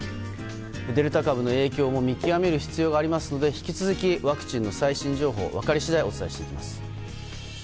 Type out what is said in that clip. デルタ株の影響も見極める必要がありますので引き続きワクチンの最新情報分かり次第お伝えしていきます。